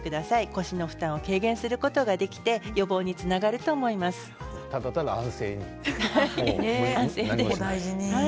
腰の負担を軽減することができるただただ安静にですね。